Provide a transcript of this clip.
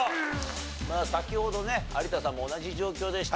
先ほどね有田さんも同じ状況でした。